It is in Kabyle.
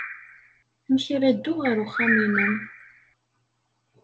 Amek ara dduɣ ɣer uxxam-nnem?